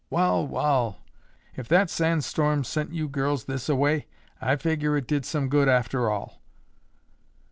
"Wall, wall, if that sand storm sent you girls this a way, I figger it did some good after all."